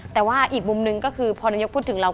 แต่ว่าอีกมุมหนึ่งก็คือพอนายกพูดถึงเรา